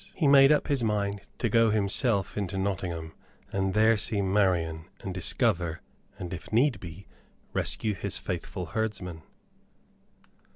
He made up his mind to go himself into Nottingham and there see Marian, and discover and (if need be) rescue his faithful herdsman.